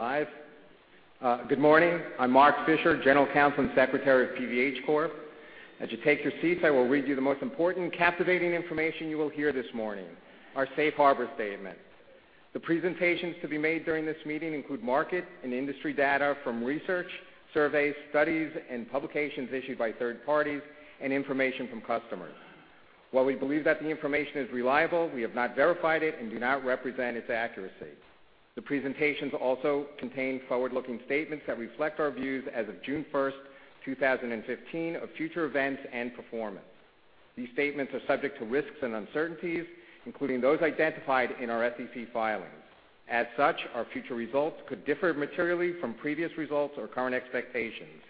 Live. Good morning. I'm Mark Fischer, general counsel and secretary of PVH Corp. As you take your seats, I will read you the most important captivating information you will hear this morning, our safe harbor statement. The presentations to be made during this meeting include market and industry data from research, surveys, studies, and publications issued by third parties, and information from customers. While we believe that the information is reliable, we have not verified it and do not represent its accuracy. The presentations also contain forward-looking statements that reflect our views as of June 1st, 2015, of future events and performance. These statements are subject to risks and uncertainties, including those identified in our SEC filings. As such, our future results could differ materially from previous results or current expectations.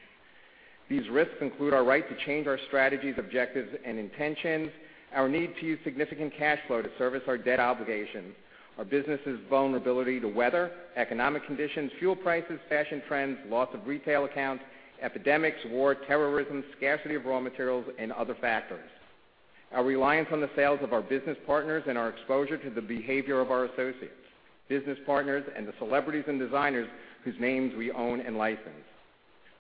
These risks include our right to change our strategies, objectives, and intentions, our need to use significant cash flow to service our debt obligations, our business' vulnerability to weather, economic conditions, fuel prices, fashion trends, loss of retail accounts, epidemics, war, terrorism, scarcity of raw materials, and other factors. Our reliance on the sales of our business partners and our exposure to the behavior of our associates, business partners, and the celebrities and designers whose names we own and license.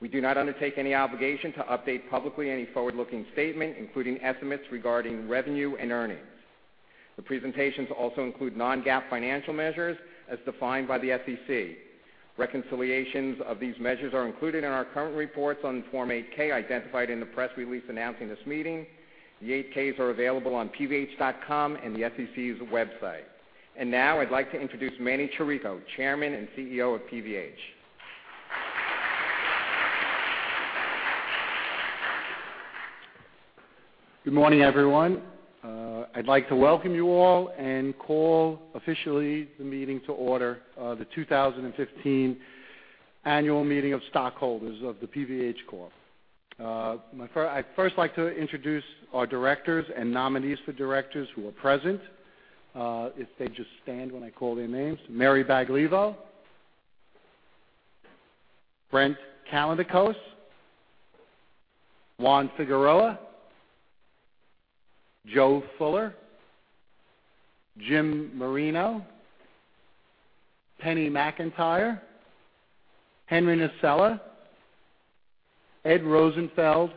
We do not undertake any obligation to update publicly any forward-looking statement, including estimates regarding revenue and earnings. The presentations also include non-GAAP financial measures as defined by the SEC. Reconciliations of these measures are included in our current reports on Form 8-K identified in the press release announcing this meeting. The 8-Ks are available on pvh.com and the SEC's website. Now I'd like to introduce Manny Chirico, Chairman and CEO of PVH. Good morning, everyone. I'd like to welcome you all and call officially the meeting to order, the 2015 annual meeting of stockholders of the PVH Corp. I'd first like to introduce our directors and nominees for directors who are present. If they just stand when I call their names. Mary Baglivo, Brent Callinicos, Juan Figuereo, Joe Fuller, Jim Marino, Penny McIntyre, Henry Nasella, Ed Rosenfeld,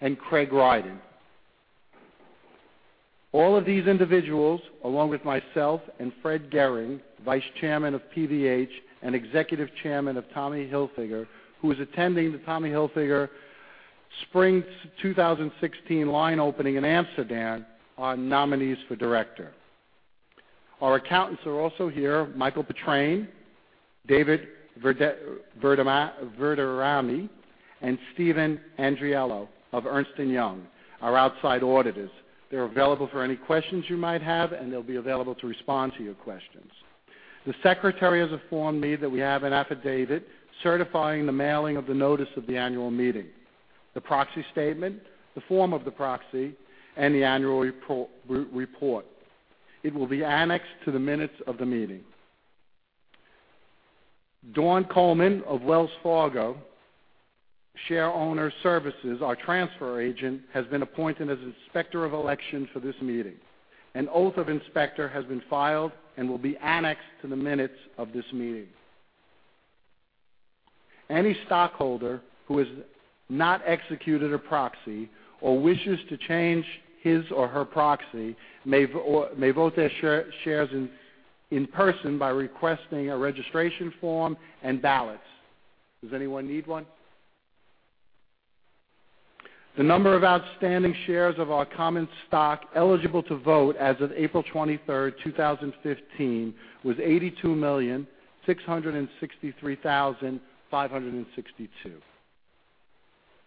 and Craig Rydin. All of these individuals, along with myself and Fred Gehring, Vice Chairman of PVH and Executive Chairman of Tommy Hilfiger, who is attending the Tommy Hilfiger Spring 2016 line opening in Amsterdam, are nominees for director. Our accountants are also here. Michael Petrone, David Verderami, and Steven Andriello of Ernst & Young, our outside auditors. They're available for any questions you might have, and they'll be available to respond to your questions. The secretary has informed me that we have an affidavit certifying the mailing of the notice of the annual meeting, the proxy statement, the form of the proxy, and the annual report. It will be annexed to the minutes of the meeting. Dawn Coleman of Wells Fargo Shareowner Services, our transfer agent, has been appointed as Inspector of Election for this meeting. An oath of inspector has been filed and will be annexed to the minutes of this meeting. Any stockholder who has not executed a proxy or wishes to change his or her proxy may vote their shares in person by requesting a registration form and ballots. Does anyone need one? The number of outstanding shares of our common stock eligible to vote as of April 23rd, 2015, was 82,663,562.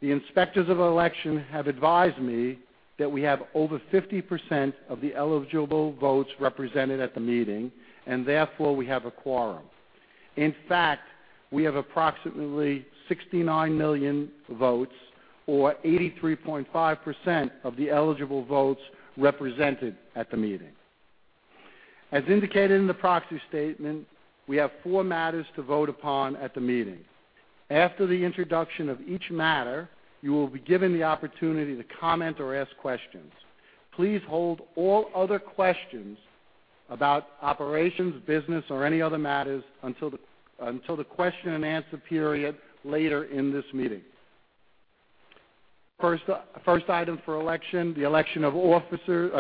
The Inspectors of Election have advised me that we have over 50% of the eligible votes represented at the meeting. Therefore, we have a quorum. In fact, we have approximately 69 million votes or 83.5% of the eligible votes represented at the meeting. As indicated in the proxy statement, we have four matters to vote upon at the meeting. After the introduction of each matter, you will be given the opportunity to comment or ask questions. Please hold all other questions about operations, business, or any other matters until the question and answer period later in this meeting. First item for election, the election of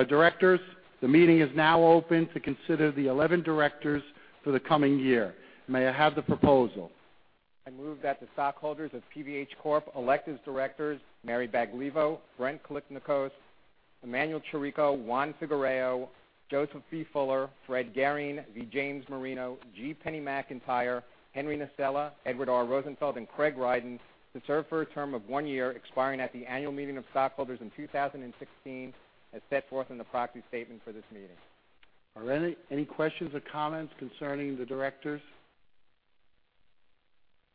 directors. The meeting is now open to consider the 11 directors for the coming year. May I have the proposal? I move that the stockholders of PVH Corp. elect as directors Mary Baglivo, Brent Callinicos, Emanuel Chirico, Juan Figuereo, Joseph B. Fuller, Fred Gehring, V. James Marino, G. Penny McIntyre, Henry Nasella, Edward R. Rosenfeld, and Craig Rydin to serve for a term of one year, expiring at the annual meeting of stockholders in 2016, as set forth in the proxy statement for this meeting. Are there any questions or comments concerning the directors?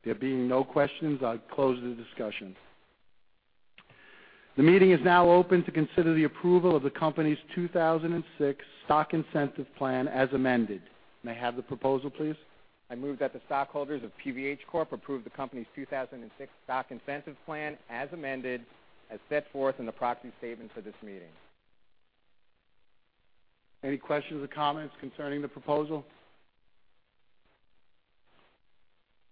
There being no questions, I'll close the discussion. The meeting is now open to consider the approval of the company's 2006 Stock Incentive Plan as amended. May I have the proposal, please? I move that the stockholders of PVH Corp. approve the company's 2006 Stock Incentive Plan, as amended, as set forth in the proxy statement for this meeting. Any questions or comments concerning the proposal?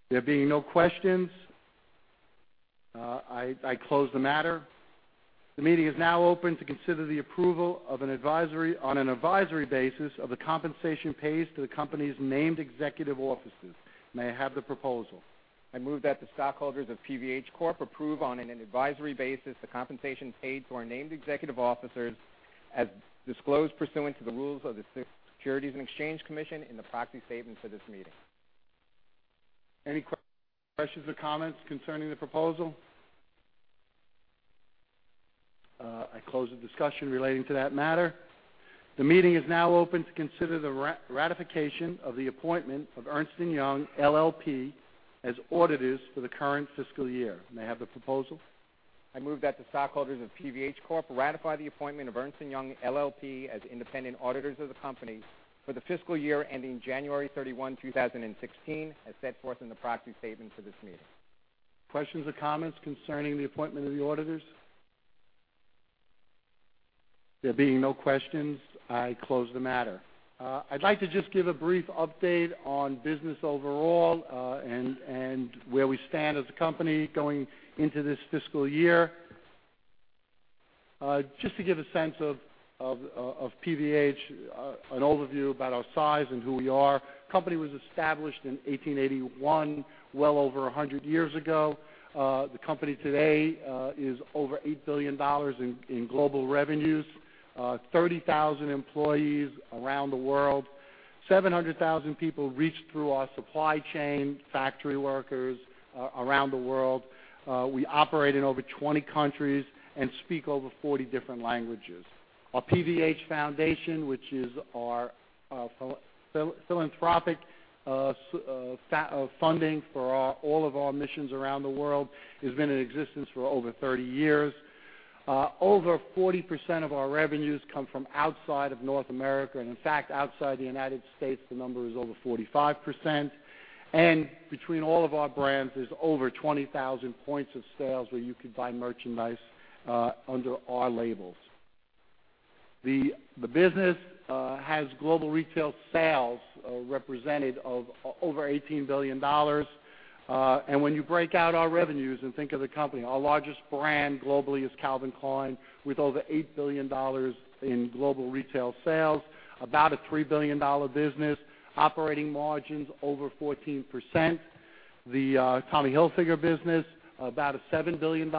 There being no questions, I close the matter. The meeting is now open to consider the approval on an advisory basis of the compensation paid to the company's named executive officers. May I have the proposal? I move that the stockholders of PVH Corp. approve on an advisory basis the compensation paid to our named executive officers as disclosed pursuant to the rules of the Securities and Exchange Commission in the proxy statement for this meeting. Any questions or comments concerning the proposal? I close the discussion relating to that matter. The meeting is now open to consider the ratification of the appointment of Ernst & Young LLP as auditors for the current fiscal year. May I have the proposal? I move that the stockholders of PVH Corp ratify the appointment of Ernst & Young LLP as independent auditors of the company for the fiscal year ending January 31, 2016, as set forth in the proxy statement for this meeting. Questions or comments concerning the appointment of the auditors? There being no questions, I close the matter. I'd like to just give a brief update on business overall, where we stand as a company going into this fiscal year. Just to give a sense of PVH, an overview about our size and who we are. Company was established in 1881, well over 100 years ago. The company today is over $8 billion in global revenues, 30,000 employees around the world, 700,000 people reached through our supply chain, factory workers around the world. We operate in over 20 countries and speak over 40 different languages. Our PVH Foundation, which is our philanthropic funding for all of our missions around the world, has been in existence for over 30 years. Over 40% of our revenues come from outside of North America. In fact, outside the United States, the number is over 45%. Between all of our brands, there's over 20,000 points of sales where you could buy merchandise under our labels. The business has global retail sales represented of over $18 billion. When you break out our revenues and think of the company, our largest brand globally is Calvin Klein, with over $8 billion in global retail sales. About a $3 billion business. Operating margins over 14%. The Tommy Hilfiger business, about a $7 billion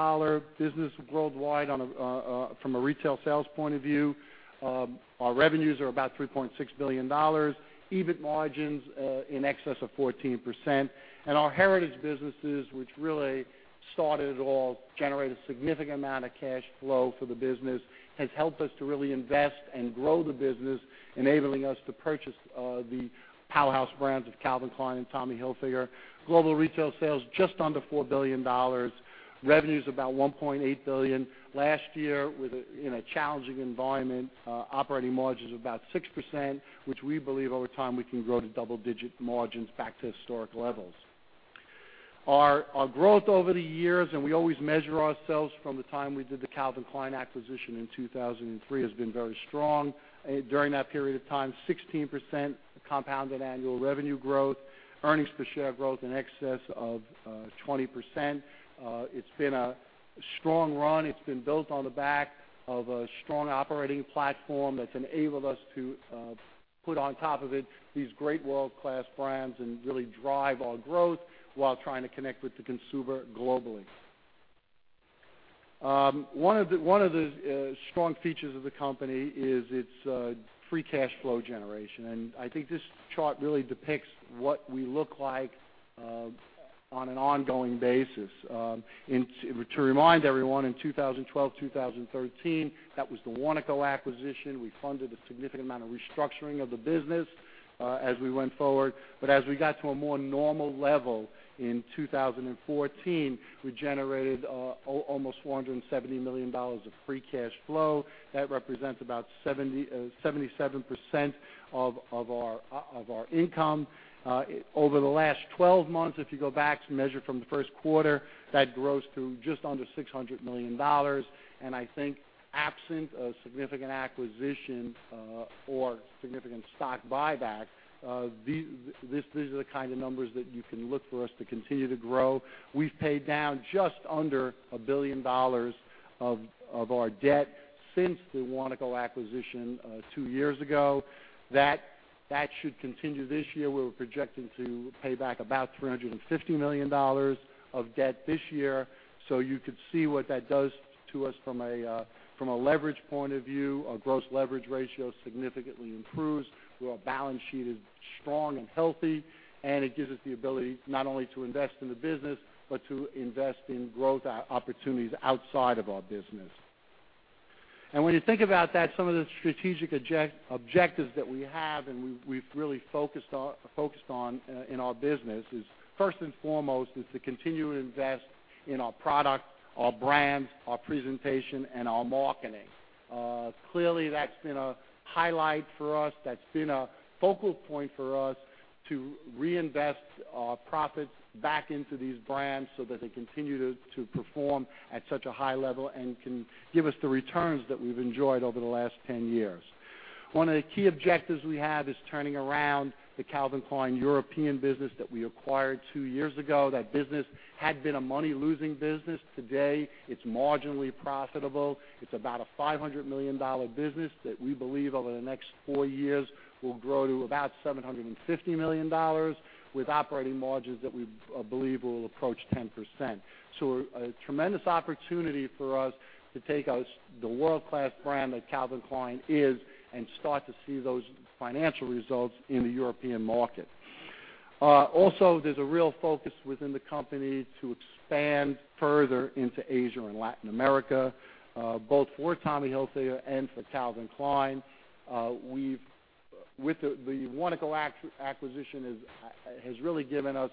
business worldwide from a retail sales point of view. Our revenues are about $3.6 billion, EBIT margins in excess of 14%. Our Heritage businesses, which really started it all, generate a significant amount of cash flow for the business, has helped us to really invest and grow the business, enabling us to purchase the powerhouse brands of Calvin Klein and Tommy Hilfiger. Global retail sales just under $4 billion. Revenue's about $1.8 billion. Last year, in a challenging environment, operating margins were about 6%, which we believe over time we can grow to double-digit margins back to historic levels. Our growth over the years, we always measure ourselves from the time we did the Calvin Klein acquisition in 2003, has been very strong. During that period of time, 16% compounded annual revenue growth. Earnings per share growth in excess of 20%. It's been a strong run. It's been built on the back of a strong operating platform that's enabled us to put on top of it these great world-class brands and really drive our growth while trying to connect with the consumer globally. One of the strong features of the company is its free cash flow generation. I think this chart really depicts what we look like on an ongoing basis. To remind everyone, in 2012, 2013, that was the Warnaco acquisition. We funded a significant amount of restructuring of the business as we went forward. As we got to a more normal level in 2014, we generated almost $470 million of free cash flow. That represents about 77% of our income. Over the last 12 months, if you go back to measure from the first quarter, that grows to just under $600 million. I think absent a significant acquisition or significant stock buyback, these are the kind of numbers that you can look for us to continue to grow. We've paid down just under $1 billion of our debt since the Warnaco acquisition two years ago. That should continue this year. We're projecting to pay back about $350 million of debt this year. You could see what that does to us from a leverage point of view. Our gross leverage ratio significantly improves. Our balance sheet is strong and healthy, and it gives us the ability not only to invest in the business but to invest in growth opportunities outside of our business. When you think about that, some of the strategic objectives that we have, and we've really focused on in our business is first and foremost, is to continue to invest in our product, our brands, our presentation, and our marketing. Clearly, that's been a highlight for us. That's been a focal point for us to reinvest our profits back into these brands so that they continue to perform at such a high level and can give us the returns that we've enjoyed over the last 10 years. One of the key objectives we have is turning around the Calvin Klein European business that we acquired two years ago. That business had been a money-losing business. Today, it's marginally profitable. It's about a $500 million business that we believe over the next four years will grow to about $750 million with operating margins that we believe will approach 10%. A tremendous opportunity for us to take the world-class brand that Calvin Klein is and start to see those financial results in the European market. Also, there's a real focus within the company to expand further into Asia and Latin America, both for Tommy Hilfiger and for Calvin Klein. With the Warnaco acquisition, has really given us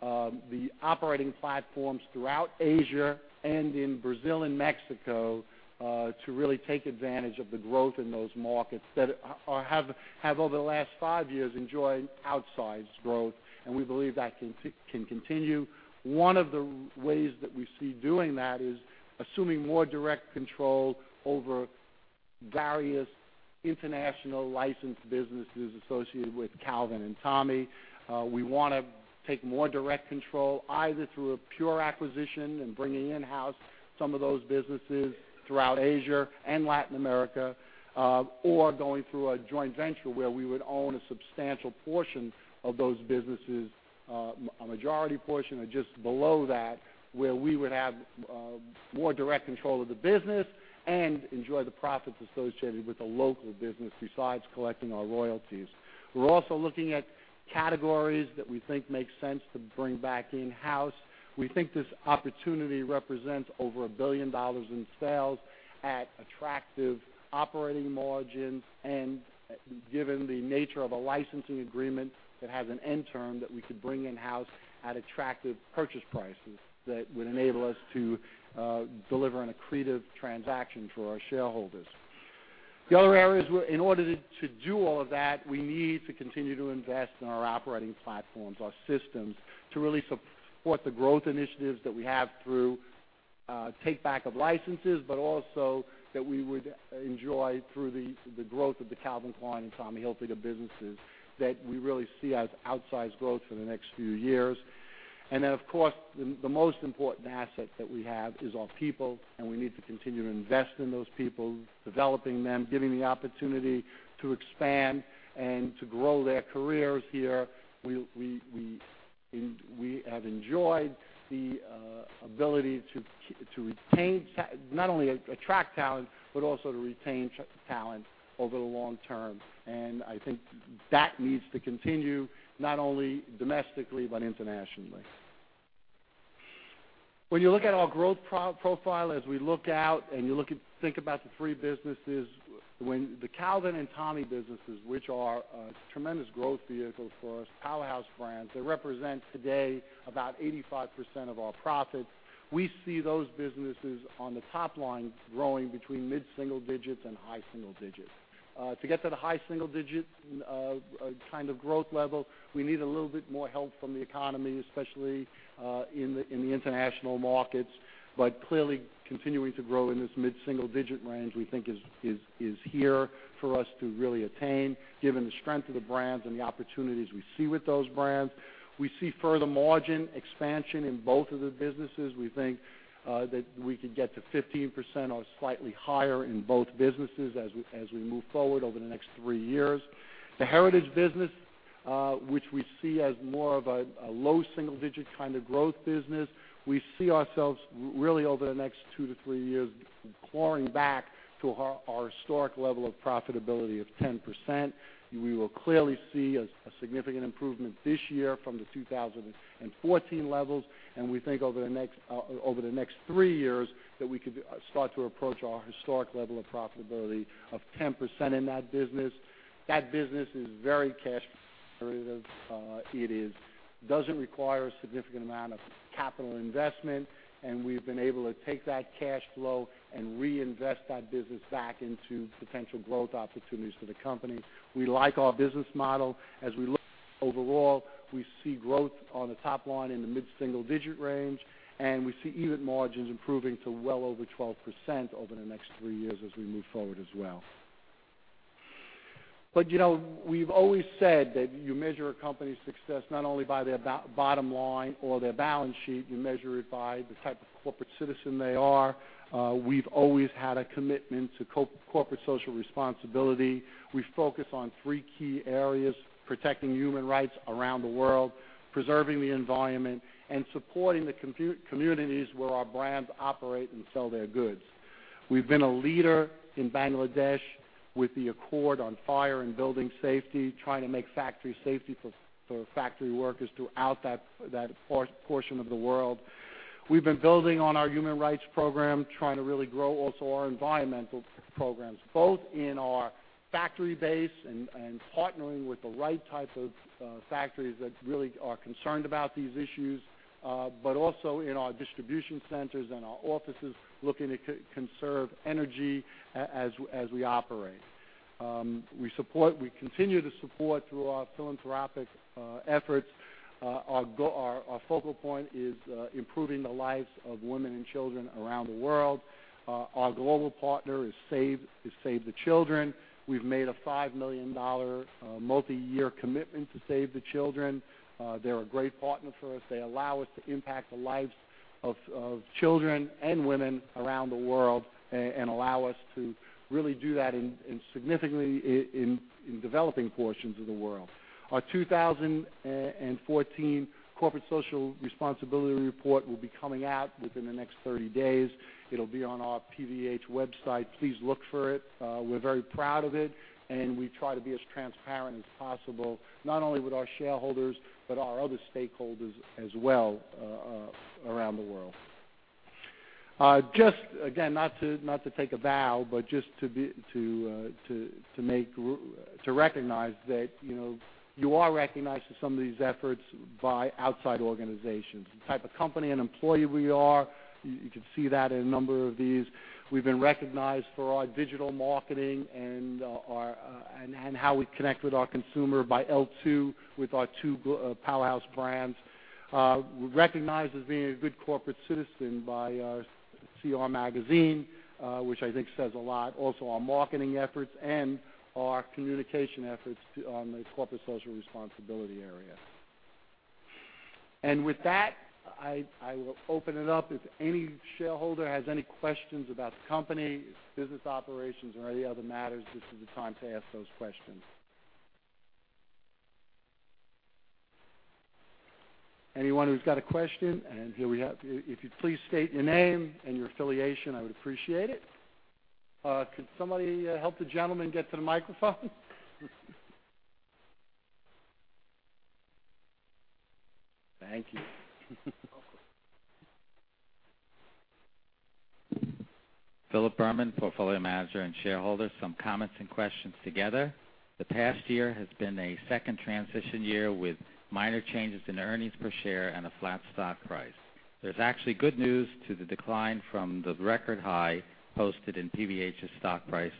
the operating platforms throughout Asia and in Brazil and Mexico, to really take advantage of the growth in those markets that have over the last five years enjoyed outsized growth, and we believe that can continue. One of the ways that we see doing that is assuming more direct control over various international licensed businesses associated with Calvin and Tommy. We want to take more direct control, either through a pure acquisition and bringing in-house some of those businesses throughout Asia and Latin America, or going through a joint venture where we would own a substantial portion of those businesses, a majority portion or just below that, where we would have more direct control of the business and enjoy the profits associated with the local business besides collecting our royalties. We're also looking at categories that we think make sense to bring back in-house. We think this opportunity represents over $1 billion in sales at attractive operating margins, given the nature of a licensing agreement that has an end term that we could bring in-house at attractive purchase prices, that would enable us to deliver an accretive transaction for our shareholders. The other areas, in order to do all of that, we need to continue to invest in our operating platforms, our systems, to really support the growth initiatives that we have through take-back of licenses, but also that we would enjoy through the growth of the Calvin Klein and Tommy Hilfiger businesses that we really see as outsized growth for the next few years. Then, of course, the most important asset that we have is our people, and we need to continue to invest in those people, developing them, giving the opportunity to expand and to grow their careers here. We have enjoyed the ability to not only attract talent, but also to retain talent over the long term. I think that needs to continue, not only domestically, but internationally. When you look at our growth profile as we look out, you think about the three businesses. The Calvin and Tommy businesses, which are a tremendous growth vehicle for us, powerhouse brands, they represent today about 85% of our profits. We see those businesses on the top line growing between mid-single digits and high single digits. To get to the high single digits kind of growth level, we need a little bit more help from the economy, especially in the international markets. Clearly continuing to grow in this mid-single-digit range we think is here for us to really attain given the strength of the brands and the opportunities we see with those brands. We see further margin expansion in both of the businesses. We think that we could get to 15% or slightly higher in both businesses as we move forward over the next three years. The Heritage business, which we see as more of a low single digit kind of growth business. We see ourselves really over the next two to three years clawing back to our historic level of profitability of 10%. We will clearly see a significant improvement this year from the 2014 levels, and we think over the next three years that we could start to approach our historic level of profitability of 10% in that business. That business is very cash generative. It doesn't require a significant amount of capital investment, and we've been able to take that cash flow and reinvest that business back into potential growth opportunities for the company. We like our business model. As we look overall, we see growth on the top line in the mid-single digit range, we see EBIT margins improving to well over 12% over the next three years as we move forward as well. We've always said that you measure a company's success not only by their bottom line or their balance sheet, you measure it by the type of corporate citizen they are. We've always had a commitment to corporate social responsibility. We focus on three key areas: protecting human rights around the world, preserving the environment, and supporting the communities where our brands operate and sell their goods. We've been a leader in Bangladesh with the Accord on Fire and Building Safety, trying to make factory safety for factory workers throughout that portion of the world. We've been building on our human rights program, trying to really grow also our environmental programs, both in our factory base and partnering with the right type of factories that really are concerned about these issues, but also in our distribution centers and our offices, looking to conserve energy as we operate. We continue to support through our philanthropic efforts. Our focal point is improving the lives of women and children around the world. Our global partner is Save the Children. We've made a $5 million multi-year commitment to Save the Children. They're a great partner for us. They allow us to impact the lives of children and women around the world, and allow us to really do that significantly in developing portions of the world. Our 2014 corporate social responsibility report will be coming out within the next 30 days. It'll be on our PVH website. Please look for it. We're very proud of it, and we try to be as transparent as possible, not only with our shareholders, but our other stakeholders as well around the world. Just again, not to take a bow, but just to recognize that you are recognized for some of these efforts by outside organizations. The type of company and employer we are, you can see that in a number of these. We've been recognized for our digital marketing and how we connect with our consumer by L2 with our two powerhouse brands. We're recognized as being a good corporate citizen by CR Magazine, which I think says a lot. Also, our marketing efforts and our communication efforts on the corporate social responsibility area. With that, I will open it up. If any shareholder has any questions about the company, its business operations, or any other matters, this is the time to ask those questions. Anyone who's got a question? Here we have. If you'd please state your name and your affiliation, I would appreciate it. Could somebody help the gentleman get to the microphone? Thank you. You're welcome. Philip Berman, portfolio manager and shareholder. Some comments and questions together. The past year has been a second transition year with minor changes in earnings per share and a flat stock price. There's actually good news to the decline from the record high posted in PVH's stock price,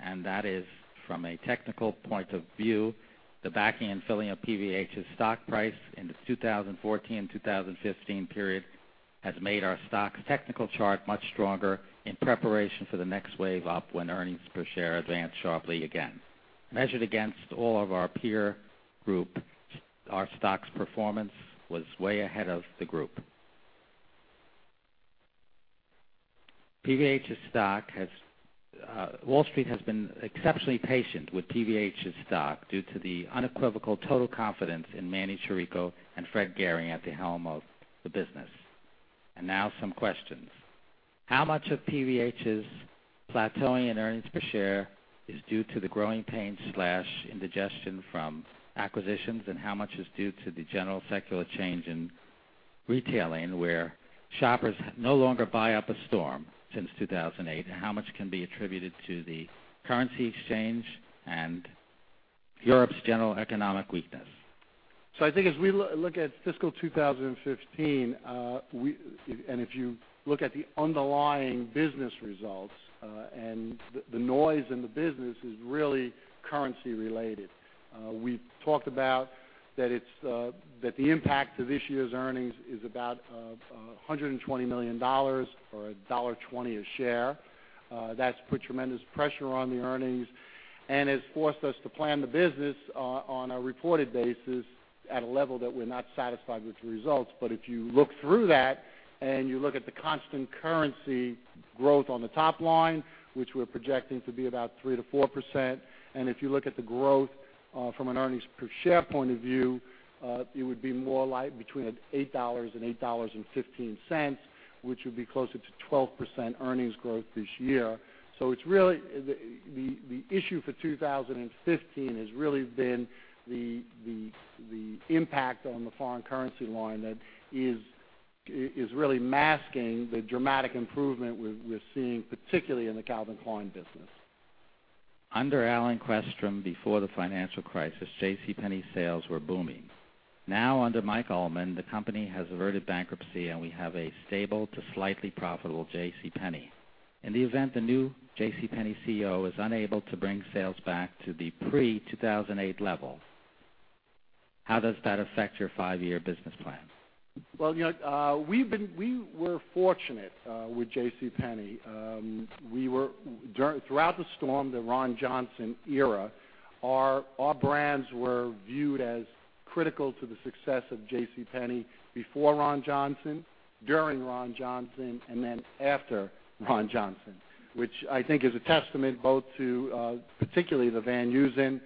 and that is from a technical point of view, the backing and filling of PVH's stock price in the 2014-2015 period has made our stock's technical chart much stronger in preparation for the next wave up when earnings per share advance sharply again. Measured against all of our peer group, our stock's performance was way ahead of the group. Wall Street has been exceptionally patient with PVH's stock due to the unequivocal total confidence in Manny Chirico and Fred Gehring at the helm of the business. Now some questions. How much of PVH's plateauing in earnings per share is due to the growing pain/indigestion from acquisitions, and how much is due to the general secular change in retailing, where shoppers no longer buy up a storm since 2008? How much can be attributed to the currency exchange and Europe's general economic weakness? I think as we look at fiscal 2015, and if you look at the underlying business results, the noise in the business is really currency related. We've talked about that the impact of this year's earnings is about $120 million or $1.20 a share. That's put tremendous pressure on the earnings and has forced us to plan the business on a reported basis at a level that we're not satisfied with the results. If you look through that and you look at the constant currency growth on the top line, which we're projecting to be about 3% to 4%, and if you look at the growth from an earnings per share point of view, it would be more like between $8 and $8.15, which would be closer to 12% earnings growth this year. The issue for 2015 has really been the impact on the foreign currency line that is really masking the dramatic improvement we're seeing, particularly in the Calvin Klein business. Under Allen Questrom before the financial crisis, J.C. Penney's sales were booming. Now under Mike Ullman, the company has averted bankruptcy, and we have a stable to slightly profitable J.C. Penney. In the event the new J.C. Penney CEO is unable to bring sales back to the pre-2008 levels, how does that affect your five-year business plan? Well, we were fortunate with J.C. Penney. Throughout the storm, the Ron Johnson era, our brands were viewed as critical to the success of J.C. Penney before Ron Johnson, during Ron Johnson, and then after Ron Johnson, which I think is a testament both to particularly the Van Heusen,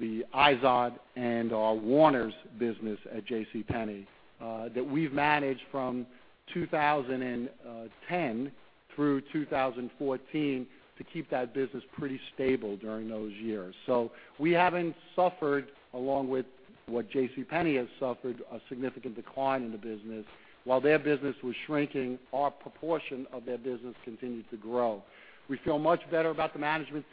the Izod, and our Warner's business at J.C. Penney. That we've managed from 2010 through 2014 to keep that business pretty stable during those years. We haven't suffered Along with what JCPenney has suffered, a significant decline in the business. While their business was shrinking, our proportion of their business continued to grow. We feel much better about the management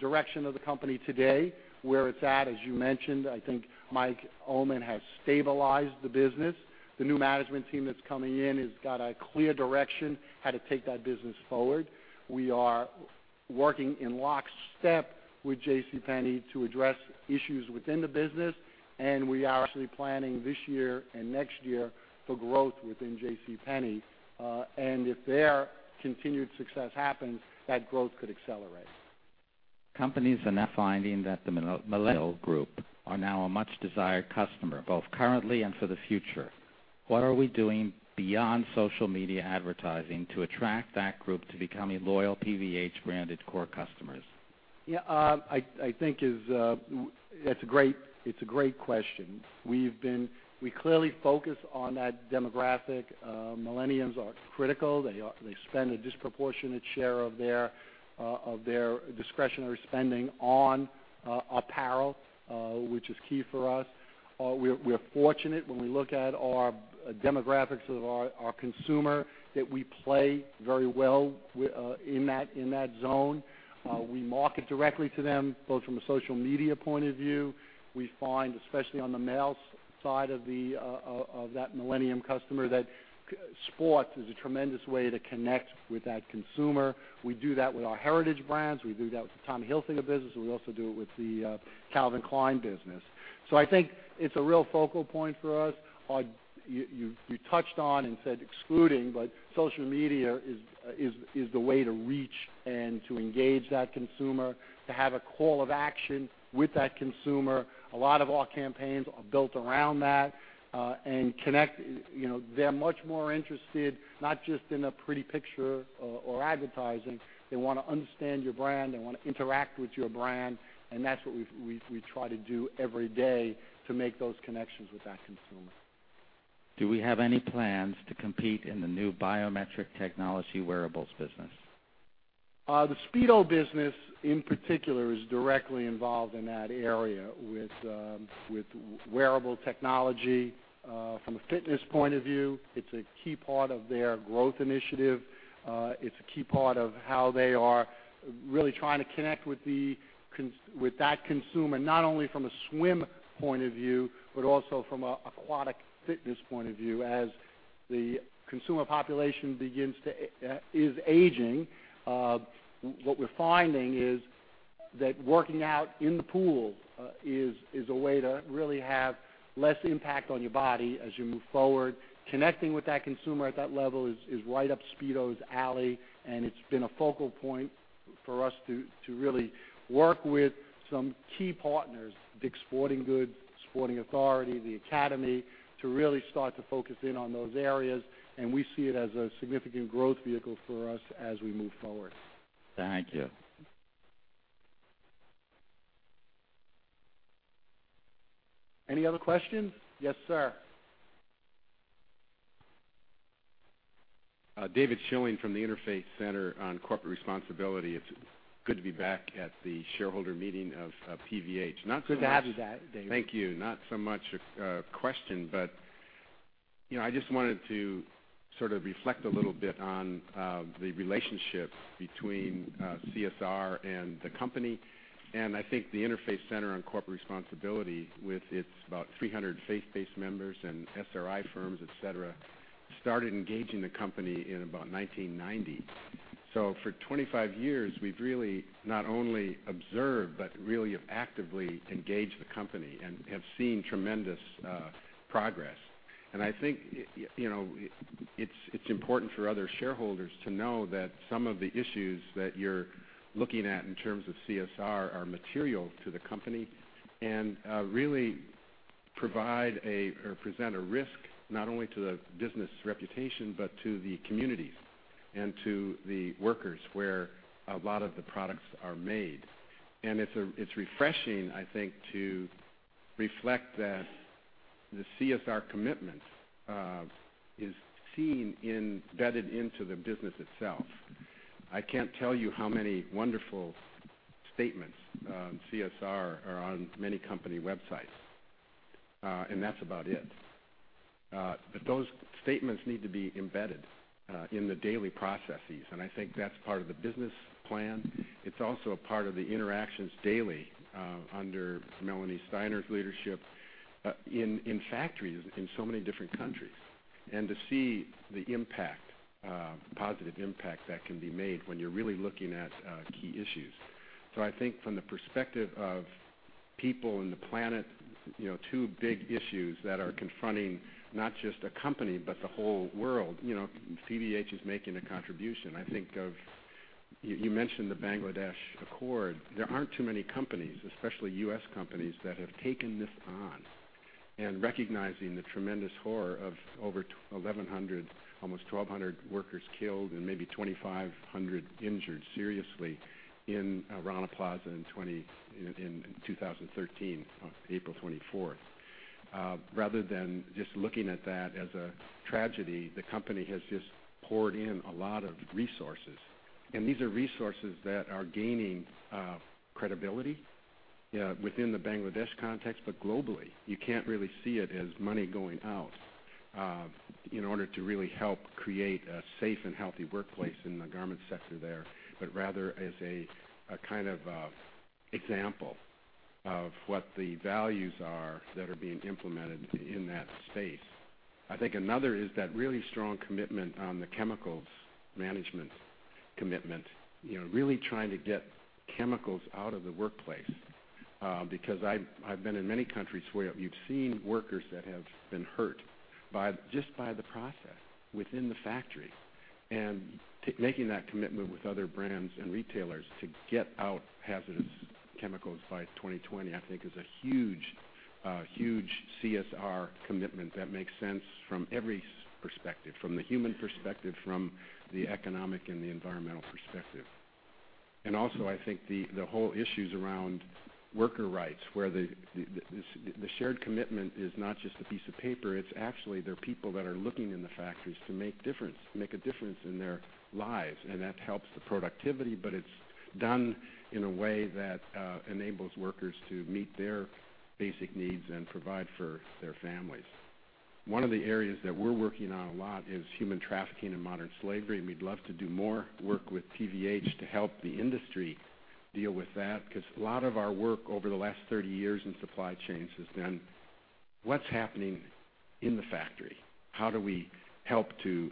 direction of the company today, where it's at, as you mentioned. I think Mike Ullman has stabilized the business. The new management team that's coming in has got a clear direction how to take that business forward. We are working in lockstep with JCPenney to address issues within the business, we are actually planning this year and next year for growth within JCPenney. If their continued success happens, that growth could accelerate. Companies are now finding that the millennial group are now a much desired customer, both currently and for the future. What are we doing beyond social media advertising to attract that group to becoming loyal PVH branded core customers? Yeah. It's a great question. We clearly focus on that demographic. Millennials are critical. They spend a disproportionate share of their discretionary spending on apparel, which is key for us. We're fortunate when we look at our demographics of our consumer that we play very well in that zone. We market directly to them, both from a social media point of view. We find, especially on the male side of that millennial customer, that sports is a tremendous way to connect with that consumer. We do that with our Heritage brands. We do that with the Tommy Hilfiger business. We also do it with the Calvin Klein business. I think it's a real focal point for us. You touched on and said excluding, Social media is the way to reach and to engage that consumer, to have a call to action with that consumer. A lot of our campaigns are built around that. They're much more interested, not just in a pretty picture or advertising. They want to understand your brand. They want to interact with your brand, That's what we try to do every day to make those connections with that consumer. Do we have any plans to compete in the new biometric technology wearables business? The Speedo business, in particular, is directly involved in that area with wearable technology. From a fitness point of view, it's a key part of their growth initiative. It's a key part of how they are really trying to connect with that consumer, not only from a swim point of view, but also from an aquatic fitness point of view. As the consumer population is aging, what we're finding is that working out in the pool is a way to really have less impact on your body as you move forward. Connecting with that consumer at that level is right up Speedo's alley, and it's been a focal point for us to really work with some key partners, Dick's Sporting Goods, Sports Authority, The Academy, to really start to focus in on those areas, and we see it as a significant growth vehicle for us as we move forward. Thank you. Any other questions? Yes, sir. David Schilling from the Interfaith Center on Corporate Responsibility. It's good to be back at the shareholder meeting of PVH. Good to have you, David. Thank you. Not so much a question. I just wanted to sort of reflect a little bit on the relationship between CSR and the company. I think the Interfaith Center on Corporate Responsibility, with its about 300 faith-based members and SRI firms, et cetera, started engaging the company in about 1990. For 25 years, we've really not only observed, but really have actively engaged the company and have seen tremendous progress. I think it's important for other shareholders to know that some of the issues that you're looking at in terms of CSR are material to the company and really present a risk not only to the business reputation, but to the communities and to the workers where a lot of the products are made. It's refreshing, I think, to reflect that the CSR commitment is seen embedded into the business itself. I can't tell you how many wonderful statements on CSR are on many company websites, and that's about it. Those statements need to be embedded in the daily processes, and I think that's part of the business plan. It's also a part of the interactions daily under Melanie Steiner's leadership in factories in so many different countries, and to see the positive impact that can be made when you're really looking at key issues. I think from the perspective of people and the planet, two big issues that are confronting not just a company, but the whole world, PVH is making a contribution. I think you mentioned the Bangladesh Accord. There aren't too many companies, especially U.S. companies, that have taken this on, and recognizing the tremendous horror of over 1,100, almost 1,200 workers killed and maybe 2,500 injured seriously in Rana Plaza in 2013, on April 24th. Rather than just looking at that as a tragedy, the company has just poured in a lot of resources. These are resources that are gaining credibility within the Bangladesh context, but globally. You can't really see it as money going out in order to really help create a safe and healthy workplace in the garment sector there, but rather as a kind of example of what the values are that are being implemented in that space. I think another is that really strong commitment on the chemicals management commitment. Really trying to get chemicals out of the workplace. Because I've been in many countries where you've seen workers that have been hurt just by the process within the factory. Making that commitment with other brands and retailers to get out hazardous chemicals by 2020, I think, is a huge CSR commitment that makes sense from every perspective, from the human perspective, from the economic and the environmental perspective. Also, I think the whole issues around worker rights, where the shared commitment is not just a piece of paper, it's actually there are people that are looking in the factories to make a difference in their lives. That helps the productivity, but it's done in a way that enables workers to meet their basic needs and provide for their families. One of the areas that we're working on a lot is human trafficking and modern slavery, and we'd love to do more work with PVH to help the industry deal with that. A lot of our work over the last 30 years in supply chains has been what's happening in the factory. How do we help to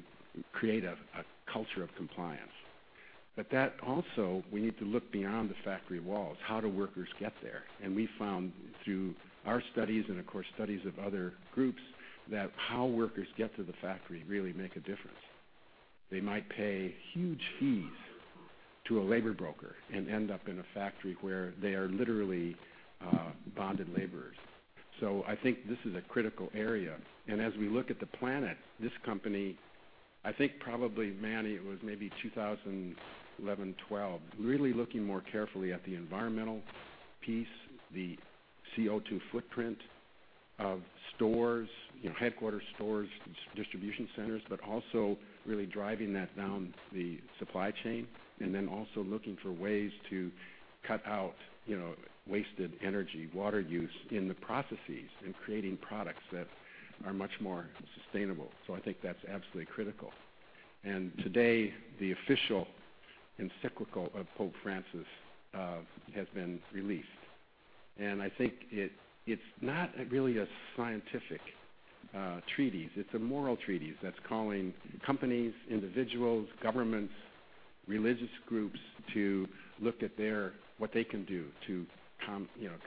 create a culture of compliance? That also, we need to look beyond the factory walls. How do workers get there? We found through our studies and, of course, studies of other groups, that how workers get to the factory really make a difference. They might pay huge fees to a labor broker and end up in a factory where they are literally bonded laborers. I think this is a critical area. As we look at the planet, this company, I think probably, Manny, it was maybe 2011, 2012, really looking more carefully at the environmental piece, the CO2 footprint of stores, headquarters stores, distribution centers, but also really driving that down the supply chain, then also looking for ways to cut out wasted energy, water use in the processes, and creating products that are much more sustainable. I think that's absolutely critical. Today, the official encyclical of Pope Francis has been released. I think it's not really a scientific treatise. It's a moral treatise that's calling companies, individuals, governments, religious groups to look at what they can do to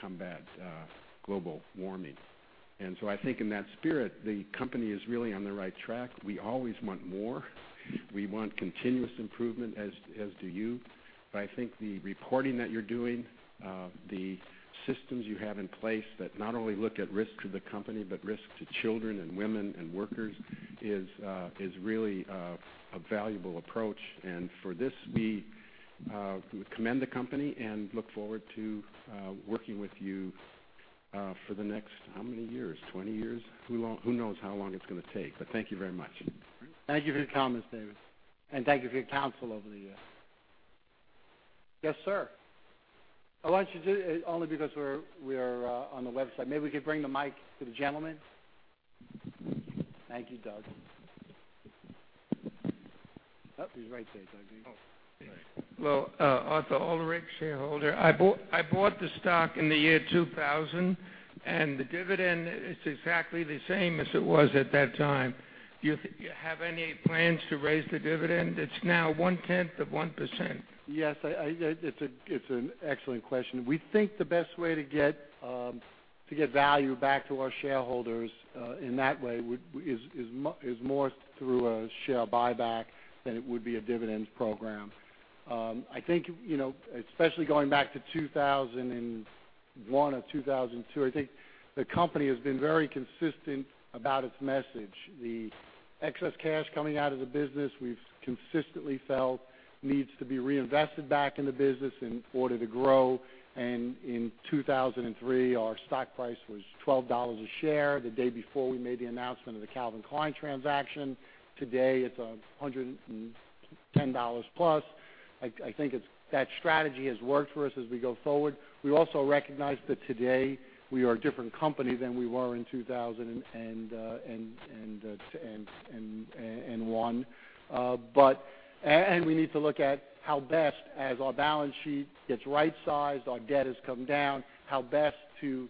combat global warming. I think in that spirit, the company is really on the right track. We always want more. We want continuous improvement, as do you. I think the reporting that you're doing, the systems you have in place that not only look at risk to the company, but risk to children and women and workers is really a valuable approach. For this, we commend the company and look forward to working with you for the next, how many years? 20 years? Who knows how long it's going to take, but thank you very much. Thank you for your comments, David, and thank you for your counsel over the years. Yes, sir. Only because we are on the website, maybe we could bring the mic to the gentleman. Thank you, Doug. Oh, he's right there, Doug. Oh. All right. Well, Arthur Ulrich, shareholder. I bought the stock in the year 2000, and the dividend is exactly the same as it was at that time. Do you have any plans to raise the dividend? It's now one tenth of 1%. Yes, it's an excellent question. We think the best way to get value back to our shareholders in that way is more through a share buyback than it would be a dividends program. I think, especially going back to 2001 or 2002, I think the company has been very consistent about its message. The excess cash coming out of the business, we've consistently felt needs to be reinvested back in the business in order to grow. In 2003, our stock price was $12 a share the day before we made the announcement of the Calvin Klein transaction. Today, it's $110 plus. I think that strategy has worked for us as we go forward. We also recognize that today we are a different company than we were in 2001. We need to look at how best as our balance sheet gets right-sized, our debt has come down, how best to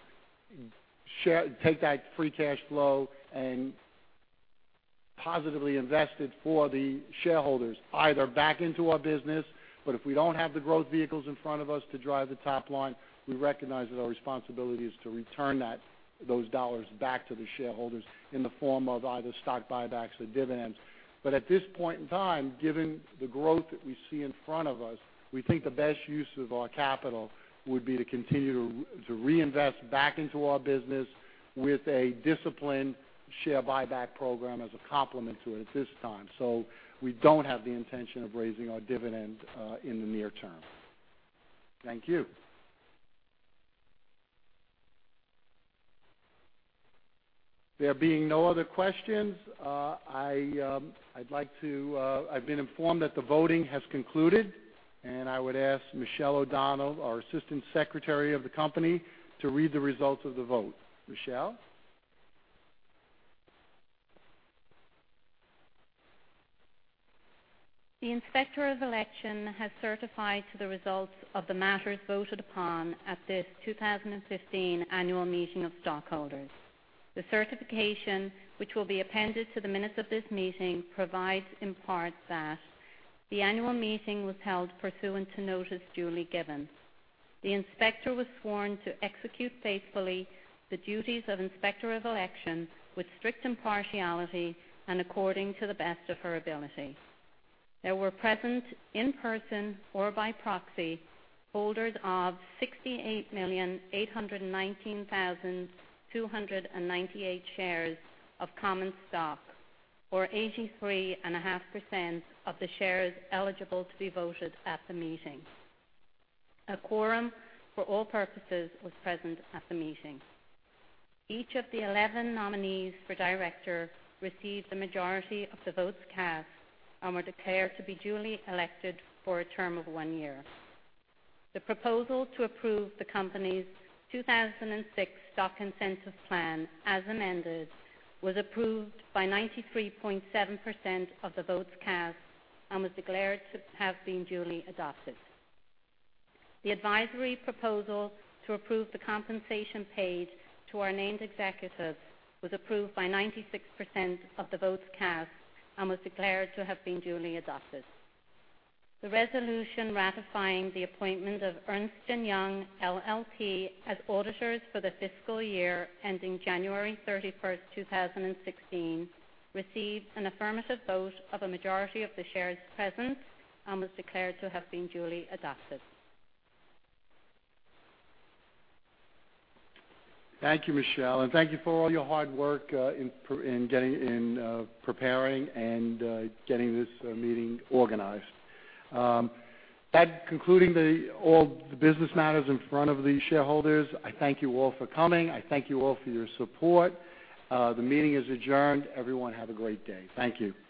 take that free cash flow and positively invest it for the shareholders, either back into our business. If we don't have the growth vehicles in front of us to drive the top line, we recognize that our responsibility is to return those dollars back to the shareholders in the form of either stock buybacks or dividends. At this point in time, given the growth that we see in front of us, we think the best use of our capital would be to continue to reinvest back into our business with a disciplined share buyback program as a complement to it at this time. We don't have the intention of raising our dividend in the near term. Thank you. There being no other questions, I've been informed that the voting has concluded, and I would ask Michelle O'Donnell, our Assistant Secretary of the company, to read the results of the vote. Michelle? The Inspector of Election has certified to the results of the matters voted upon at this 2015 annual meeting of stockholders. The certification, which will be appended to the minutes of this meeting, provides in part that the annual meeting was held pursuant to notice duly given. The inspector was sworn to execute faithfully the duties of Inspector of Election with strict impartiality and according to the best of her ability. There were present in person or by proxy, holders of 68,819,298 shares of common stock, or 83.5% of the shares eligible to be voted at the meeting. A quorum for all purposes was present at the meeting. Each of the 11 nominees for director received the majority of the votes cast and were declared to be duly elected for a term of one year. The proposal to approve the company's 2006 Stock Incentive Plan, as amended, was approved by 93.7% of the votes cast and was declared to have been duly adopted. The advisory proposal to approve the compensation paid to our named executives was approved by 96% of the votes cast and was declared to have been duly adopted. The resolution ratifying the appointment of Ernst & Young LLP as auditors for the fiscal year ending January 31st, 2016, received an affirmative vote of a majority of the shares present and was declared to have been duly adopted. Thank you, Michelle, and thank you for all your hard work in preparing and getting this meeting organized. That concluding all the business matters in front of the shareholders, I thank you all for coming. I thank you all for your support. The meeting is adjourned. Everyone have a great day. Thank you.